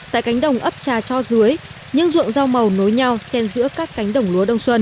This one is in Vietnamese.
tại cánh đồng ấp trà cho dưới những ruộng rau màu nối nhau sen giữa các cánh đồng lúa đông xuân